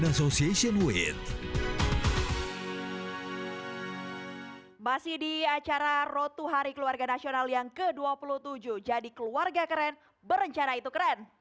nasional yang ke dua puluh tujuh jadi keluarga keren berencana itu keren